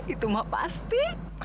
itu mah pasti